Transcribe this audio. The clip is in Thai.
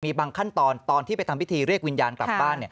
มีบางขั้นตอนตอนที่ไปทำพิธีเรียกวิญญาณกลับบ้าน